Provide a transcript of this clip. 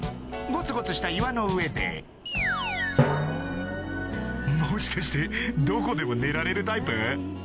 ゴツゴツした岩の上でもしかしてどこでも寝られるタイプ？